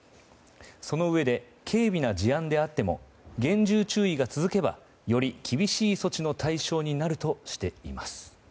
そのうえで軽微な事案であっても厳重注意が続けばより厳しい措置の対象になるとしています。